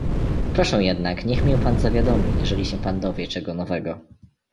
"Proszę jednak, niech mię pan zawiadomi, jeżeli się p. dowie czego nowego."